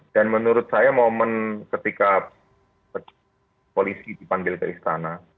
dan menurut saya momen ketika polisi dipanggil ke istana